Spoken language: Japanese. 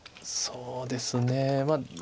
そうですね。